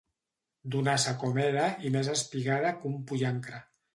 Donassa com era i més espigada que un pollancre